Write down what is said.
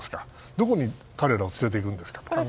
どこに彼らを連れていくんですかと考えたら。